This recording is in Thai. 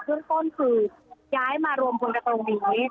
เพิ่มข้นคือก้้ายมารวมบนกระโปรโมนี้